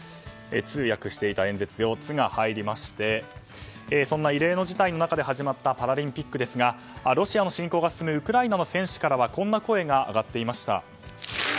通訳していた演説の「ツ」が入りましてそんな異例の事態の中で始まったパラリンピックですがロシアの侵攻が進むウクライナの選手からはこんな声が上がっていました。